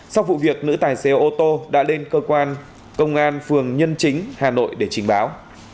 sau vụ việc nữ tài xế ô tô đã lên cơ quan công an phường nhân chính hà nội để trình báo